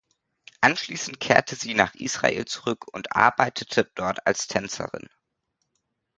Anschließend kehrte sie nach Israel zurück und arbeitete dort als Tänzerin.